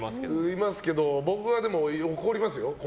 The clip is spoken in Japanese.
いますけど俺は怒りますよ。